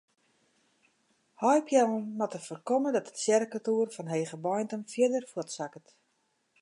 Heipeallen moatte foarkomme dat de tsjerketoer fan Hegebeintum fierder fuortsakket.